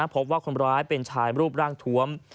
พบว่าคนร้ายเป็นชายรูปร่างทวม